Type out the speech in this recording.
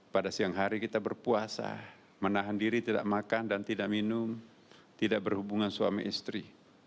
pada siang hari kita berpuasa menahan diri tidak makan dan tidak minum tidak berhubungan suami istri